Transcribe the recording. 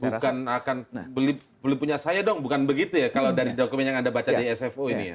bukan akan beli punya saya dong bukan begitu ya kalau dari dokumen yang anda baca di sfo ini ya